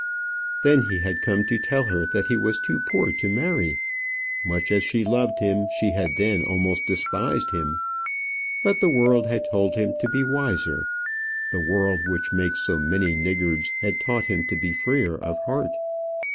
Then he had come to tell her that he was too poor to marry. Much as she loved him, she had then almost despised him. But the world had told him to be wiser. The world, which makes so many niggards, had taught him to be freer of heart.